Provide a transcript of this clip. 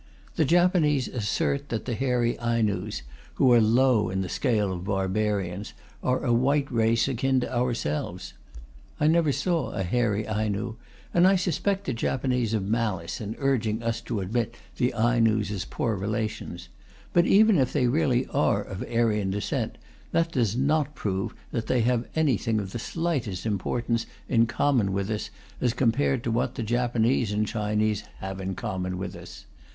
The Japanese assert that the hairy Ainus, who are low in the scale of barbarians, are a white race akin to ourselves. I never saw a hairy Ainu, and I suspect the Japanese of malice in urging us to admit the Ainus as poor relations; but even if they really are of Aryan descent, that does not prove that they have anything of the slightest importance in common with us as compared to what the Japanese and Chinese have in common with us.